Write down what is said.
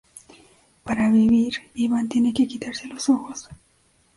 Para vivir, Iván tiene que quitarse los ojos.